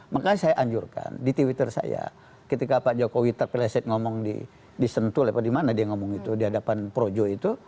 maka saya anjurkan di twitter saya ketika pak joko widodo ngomong di sentul di hadapan projo itu